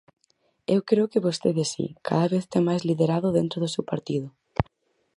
Eu creo que vostede si, cada vez ten máis liderado dentro do seu partido.